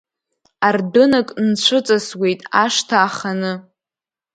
Ардәынак нцәыҵасуеит ашҭа аханы.